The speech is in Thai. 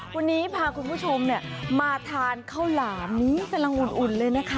วันนี้พาคุณผู้ชมมาทานข้าวหลามนี้กำลังอุ่นเลยนะคะ